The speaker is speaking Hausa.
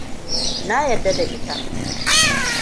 Na yadda da ita.